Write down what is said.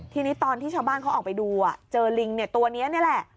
ทีนี้ตอนที่ชาวบ้านเขาออกไปดูเจอลิงตัวนี้นี่แหละ